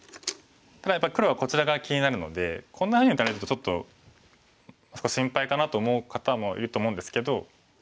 ただやっぱ黒はこちら側気になるのでこんなふうに打たれるとちょっと心配かなと思う方もいると思うんですけど。